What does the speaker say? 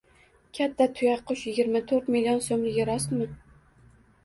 Katta tuyaqush yigirma to'rt million so‘mligi rostmi?